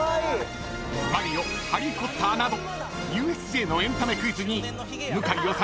マリオ、ハリー・ポッターなどＵＳＪのエンタメクイズに向井理